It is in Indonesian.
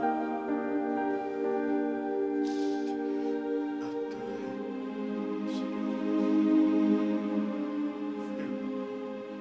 apa yang sudah hamba lakukan